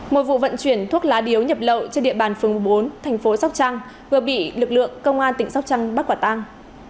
một vụ vận chuyển thuốc lá điếu nhập lậu trên địa bàn phường bốn thành phố sóc trăng vừa bị lực lượng công an tỉnh sóc trăng bắt quả tang